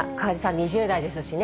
２０代ですしね。